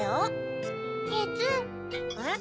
えっ？